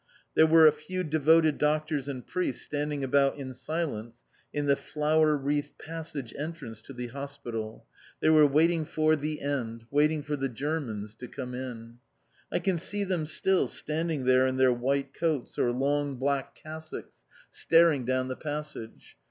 There were a few devoted doctors and priests standing about in silence in the flower wreathed passage entrance to the hospital. They were waiting for The End, waiting for the Germans to come in. I can see them still, standing there in their white coats, or long black cassocks, staring down the passage.